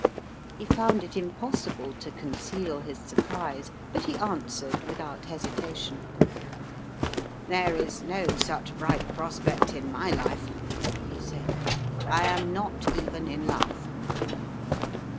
He found it impossible to conceal his surprise, but he answered without hesitation. "There is no such bright prospect in my life," he said. "I am not even in love."